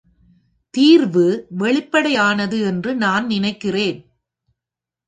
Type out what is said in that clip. தீர்வு வெளிப்படையானது என்று நான் நினைக்கிறேன்.